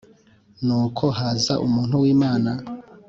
Nuko haza umuntu w’Imana